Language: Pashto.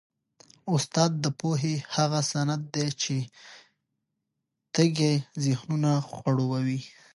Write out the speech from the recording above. استاد د پوهې هغه سیند دی چي تږي ذهنونه خړوبوي.